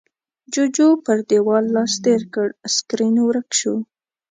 جُوجُو پر دېوال لاس تېر کړ، سکرين ورک شو.